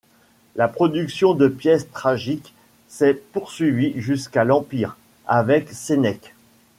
La production de pièces tragiques s'est poursuivie jusqu'à l'empire, avec Sénèque.